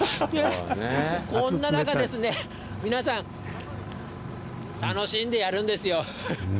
こんな中、皆さん、楽しんでやるんですよ。